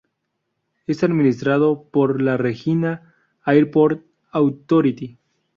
Es administrado por la Regina Airport Authority.